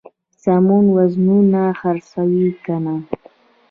سمو وزنونو خرڅوي کنه.